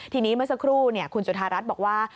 ทีนี้เมื่อสักครู่คุณจุธารัฐบอกว่า